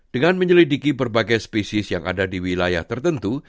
dengan menyelidiki berbagai spesies yang ada di wilayah tertentu